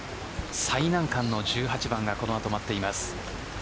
最難関の１８番がこの後待っています。